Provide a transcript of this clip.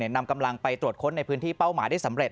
นำกำลังไปตรวจค้นในพื้นที่เป้าหมายได้สำเร็จ